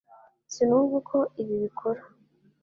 Sinumva uko ibi bikora